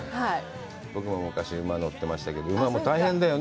僕も昔、馬に乗っていましたけど、馬も大変だよね。